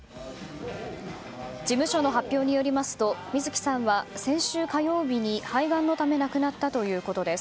事務所の発表によりますと水木さんは先週火曜日に肺がんのため亡くなったということです。